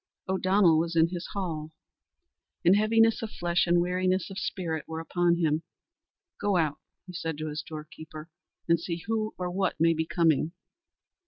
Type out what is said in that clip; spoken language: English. O'Donnell was in his hall, and heaviness of flesh and weariness of spirit were upon him. "Go out," said he to his doorkeeper, "and see who or what may be coming."